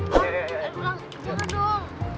udah pulang nyusih aja dong